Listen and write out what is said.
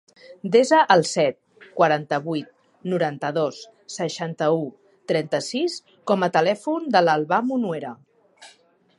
Desa el set, quaranta-vuit, noranta-dos, seixanta-u, trenta-sis com a telèfon de l'Albà Munuera.